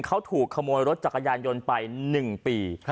เขาถูกขโมยรถจักรยานยนต์ไป๑ปี